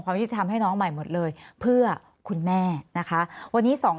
ยุติธรรมให้น้องใหม่หมดเลยเพื่อคุณแม่นะคะวันนี้สอง